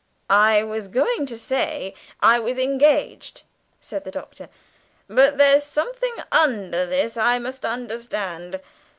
"I was going to say I was engaged," said the Doctor; "but there's something under this I must understand.